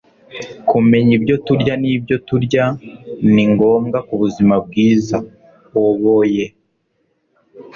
kumenya ibyo turya nibyo turya ni ngombwa kubuzima bwiza.oboye